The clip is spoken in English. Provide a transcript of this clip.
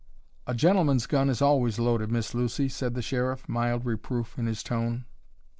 "A gentleman's gun is always loaded, Miss Lucy," said the Sheriff, mild reproof in his tone.